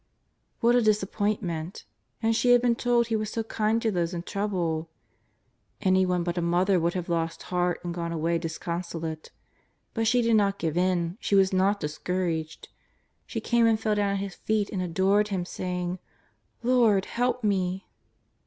What a disappointment ! And she had been told He was so kind to those in trouble. Anyone but a mother would have lost heart and gone away disconsolate; but she did not give in, she was not discouraged. She came and fell down at His feet and adored Him, saying: ^' Lord, help me